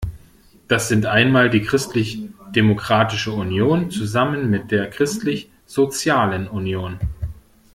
Das sind einmal die Christlich Demokratische Union zusammen mit der Christlich sozialen Union.